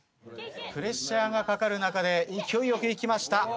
プレッシャーがかかる中で勢いよく行きました。